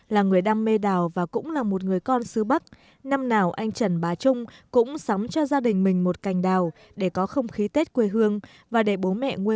là người đam mê đào và cũng là một phần trang trí không thể thiếu của những người con xa quê